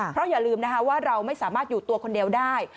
เพราะอย่าลืมนะคะว่าเราไม่สามารถอยู่ตัวคนเดียวได้